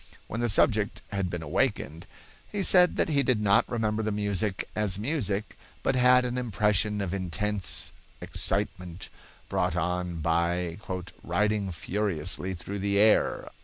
When the subject had been awakened, he said that he did not remember the music as music, but had an impression of intense, excitement, brought on by "riding furiously through the air."